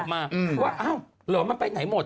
ว่าเอ้าหรือว่ามันไปไหนหมด